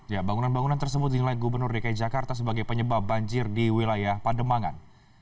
ya bangunan bangunan tersebut dinilai gubernur dki jakarta sebagai penyebab banjir di wilayah pademangan